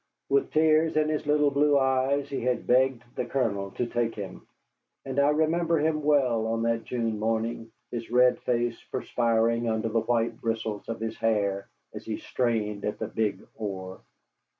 With tears in his little blue eyes he had begged the Colonel to take him, and I remember him well on that June morning, his red face perspiring under the white bristles of his hair as he strained at the big oar.